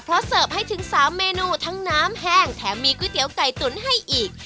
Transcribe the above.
เพราะเสิร์ฟให้ถึง๓เมนูทั้งน้ำแห้งแถมมีก๋วยเตี๋ยวไก่ตุ๋นให้อีก